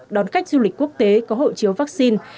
đón khách du lịch quốc tế có hộ chiếu vaccine